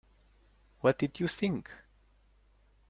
What did you think?